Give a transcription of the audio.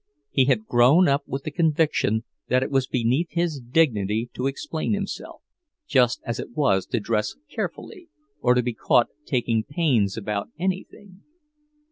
He had grown up with the conviction that it was beneath his dignity to explain himself, just as it was to dress carefully, or to be caught taking pains about anything.